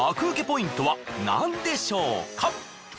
ウケポイントは何でしょうか？